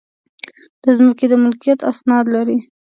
د ځمکې د ملکیت اسناد لرئ؟